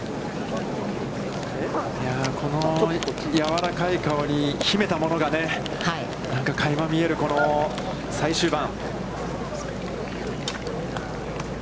このやわらかい顔に秘めたものが、なんかかいま見えるこの最終盤。